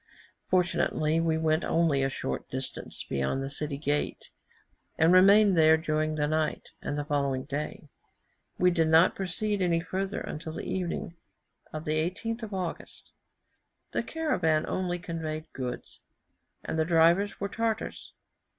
Fortunately we went only a short distance beyond the city gate, and remained there during the night and the following day. We did not proceed any further until the evening of the 18th of August. The caravan only conveyed goods, and the drivers were Tartars.